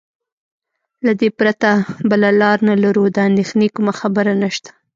له دې پرته بله لار نه لرو، د اندېښنې کومه خبره نشته.